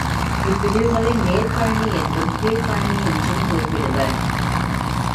இப்பிரிவுகளை மேற்பழனி என்றும் கீழ்ப்பழனி என்றும் குறிப்பிடுவர்.